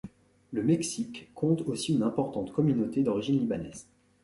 Le Mexique compte aussi une importante communauté d'origine libanaise.